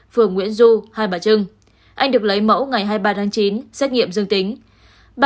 phường nguyễn du hai bà trưng anh được lấy mẫu ngày hai mươi ba tháng chín xét nghiệm dương tính